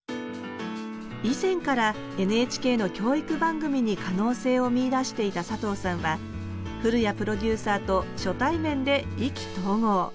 以前からＮＨＫの教育番組に可能性を見いだしていた佐藤さんは古屋プロデューサーと初対面で意気投合。